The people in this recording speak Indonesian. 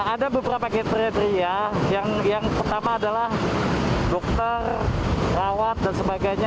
ada beberapa kriteria yang pertama adalah dokter rawat dan sebagainya